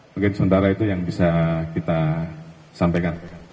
mungkin sementara itu yang bisa kita sampaikan